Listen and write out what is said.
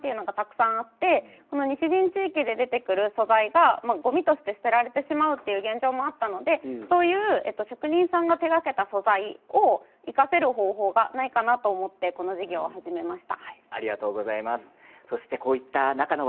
この西陣という地域には伝統産業だったり職人さんや工房さんがたくさんあってこの西陣地域で出てくる素材がごみとして捨てられてしまう現状があったのでそういう職人さんが手がけた素材を生かせる方法がないかなと思ってこの事業を始めました。